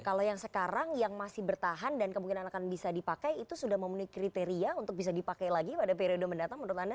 kalau yang sekarang yang masih bertahan dan kemungkinan akan bisa dipakai itu sudah memenuhi kriteria untuk bisa dipakai lagi pada periode mendatang menurut anda